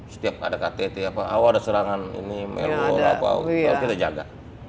setiap ada ktt apa ada serangan ini melbor apa kita jaga